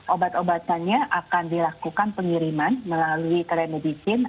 obat obatannya akan dilakukan pengiriman melalui telemedicine